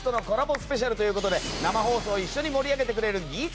スペシャルということで生放送を一緒に盛り上げてくれるギーツ